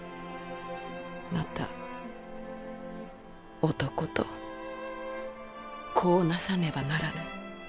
また男と子をなさねばならぬ。